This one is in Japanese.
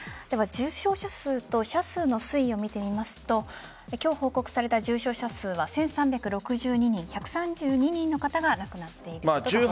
では重症者数と死者数の推移を見てみますと今日報告された重症者数は１３６２人１３２人の方が亡くなっています。